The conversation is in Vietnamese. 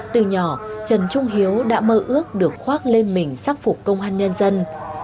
từ nhỏ trần trung hiếu đã mơ ước được khoác lên mình sắc phục công an nhân dân